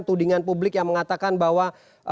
tudingan publik yang mengatakan bahwa